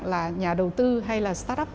là nhà đầu tư hay là start up